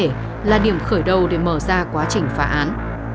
đây là điểm khởi đầu để mở ra quá trình phá án